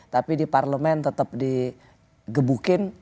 tapi di parlemen tetap digebukin